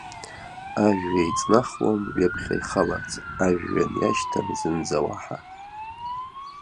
Ажәҩа еиҵнахуам ҩаԥхьа ихаларц, ажәҩан иашьҭам зынӡа уаҳа.